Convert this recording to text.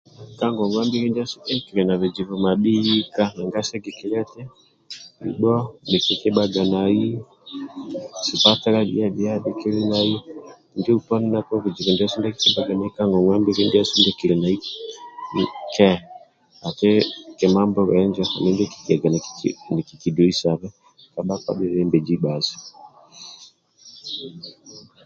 Ka ngongwa mbili ndiasu ehh kili na bizibu mabhika nanga sigikilia eti libho bhikibhagana nai sipatala bia bia bhikili nai injo uponi buzibu ndie kikibhaganai ke ati kima mbulue injo andulu ndie kikiyaga nikikdoisave ka bhebembenzi ndibhasu